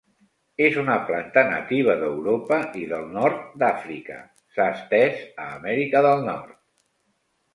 És una planta nativa d'Europa i del Nord d'Àfrica s'ha estès a Amèrica del Nord.